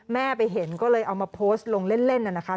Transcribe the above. แม่ไปเห็นก็เลยเอามาโพสต์ลงเล่นน่ะนะคะ